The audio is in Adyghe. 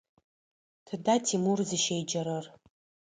Тыда Тимур зыщеджэрэр?